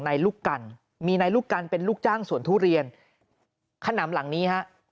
ลูกกันมีนายลูกกันเป็นลูกจ้างสวนทุเรียนขนำหลังนี้ฮะ